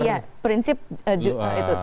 iya prinsip itu